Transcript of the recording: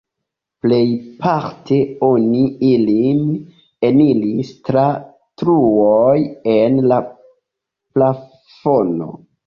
Plejparte oni ilin eniris tra truoj en la plafono.